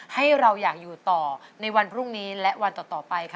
ให้เราอยากอยู่ต่อในวันพรุ่งนี้และวันต่อไปค่ะ